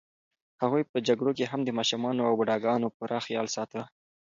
هغوی په جګړو کې هم د ماشومانو او بوډاګانو پوره خیال ساته.